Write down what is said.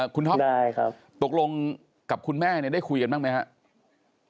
คุณฮอคตกลงกับคุณแม่ได้คุยกันบ้างไหมครับ